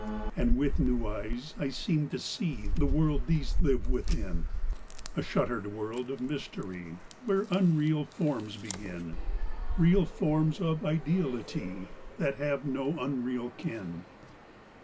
And with new eyes I seem to see The world these live within, A shuttered world of mystery, Where unreal forms begin Real forms of ideality That have no unreal kin.